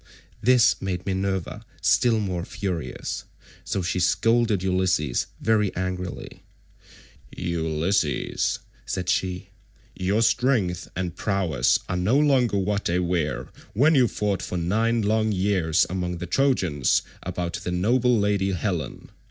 This made Minerva still more furious, so she scolded Ulysses very angrily.173 "Ulysses," said she, "your strength and prowess are no longer what they were when you fought for nine long years among the Trojans about the noble lady Helen.